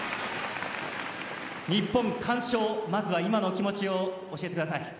日本、完勝でまずは今のお気持ち教えてください。